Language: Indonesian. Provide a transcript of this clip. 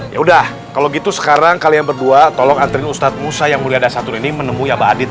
yaudah kalau gitu sekarang kalian berdua tolong anterin ustadz musa yang mulia dasar turun ini menemui aba adit ya